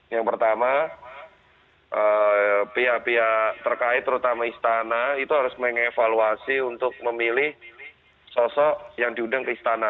yang pertama pihak pihak terkait terutama istana itu harus mengevaluasi untuk memilih sosok yang diundang ke istana